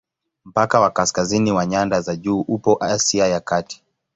Mpaka wa kaskazini wa nyanda za juu upo Asia ya Kati.